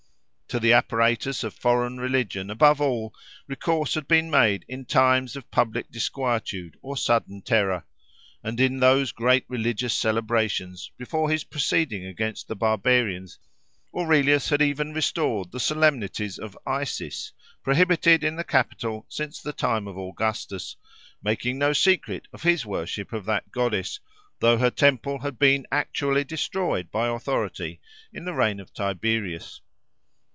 To the apparatus of foreign religion, above all, recourse had been made in times of public disquietude or sudden terror; and in those great religious celebrations, before his proceeding against the barbarians, Aurelius had even restored the solemnities of Isis, prohibited in the capital since the time of Augustus, making no secret of his worship of that goddess, though her temple had been actually destroyed by authority in the reign of Tiberius.